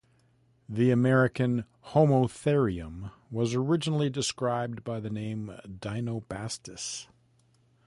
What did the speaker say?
The American "Homotherium" was originally described by the name "Dinobastis".